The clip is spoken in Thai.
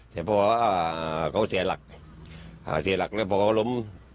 แต่พอเขาเสียหลักแล้วพอเขาร้ม